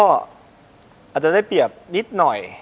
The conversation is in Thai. อาจจะได้เปรียบนิดหน่อย